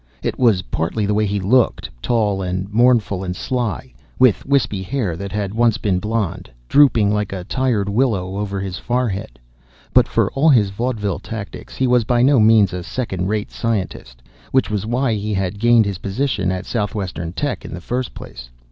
It was partly the way he looked tall and mournful and sly, with wispy hair that had once been blond, drooping like a tired willow over his forehead. But for all his vaudeville tactics he was by no means a second rate scientist. Which was why he had gained his position at Southwestern Tech in the first place.